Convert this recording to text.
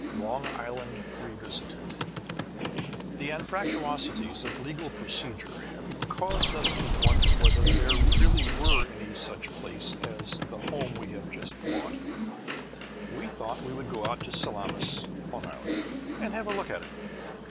LONG ISLAND REVISITED The anfractuosities of legal procedure having caused us to wonder whether there really were any such place as the home we have just bought, we thought we would go out to Salamis, L. I., and have a look at it.